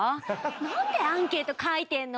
「なんでアンケート書いてんの！」